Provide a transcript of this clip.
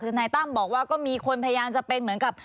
นายตั้มบอกว่าก็มีคนพยายามจะเป็นเหมือนกับ